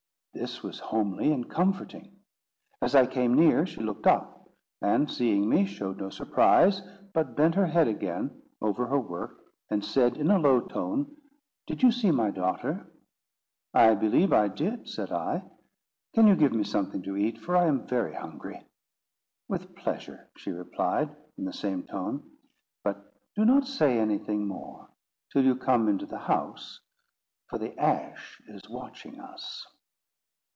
This was homely and comforting. As I came near, she looked up, and seeing me, showed no surprise, but bent her head again over her work, and said in a low tone: "Did you see my daughter?" "I believe I did," said I. "Can you give me something to eat, for I am very hungry?" "With pleasure," she replied, in the same tone; "but do not say anything more, till you come into the house, for the Ash is watching us."